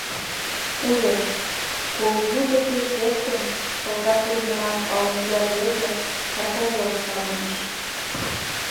Ужеш: Колгудо гыч лектын, салтак вургеман ала-могай рвезе арка велыш савырныш.